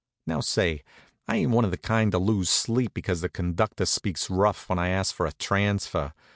Now, say, I ain't one of the kind to lose sleep because the conductor speaks rough when I asks for a transfer.